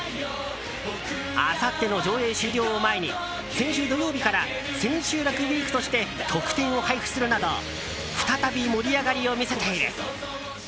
あさっての上映終了を前に先週土曜日から千秋楽ウィークとして特典を配布するなど再び盛り上がりを見せている。